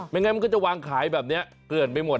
งั้นมันก็จะวางขายแบบนี้เกลือนไปหมด